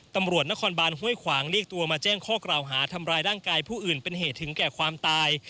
ตำรวจนครบานห้วยขวางเรียกตัวมาแจ้งข้อกล่าวหาทำร้ายร่างกายผู้อื่นเป็นเหตุถึงแก่ความตาย